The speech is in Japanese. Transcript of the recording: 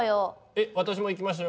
えっ私も行きましょ。